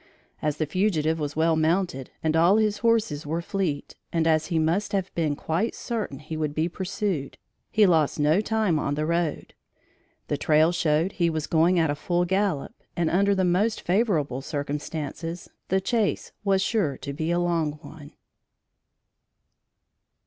As the fugitive was well mounted and all his horses were fleet, and as he must have been quite certain he would be pursued, he lost no time on the road. The trail showed he was going at a full gallop, and, under the most favorable circumstances, the chase was sure to be a long one.